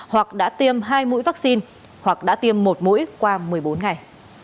hoặc đã tiêm hai mũi vaccine hoặc đã tiêm một mũi qua một mươi bốn ngày